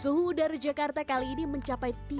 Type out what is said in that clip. suhu udara jakarta kali ini mencapai tiga puluh